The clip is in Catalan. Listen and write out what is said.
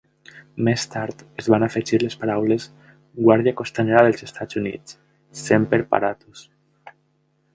Més tard, es van afegir les paraules, "Guàrdia Costanera dels Estats Units-- Semper Paratus".